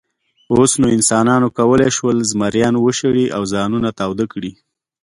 اوس نو انسانانو کولی شول، زمریان وشړي او ځانونه تاوده کړي.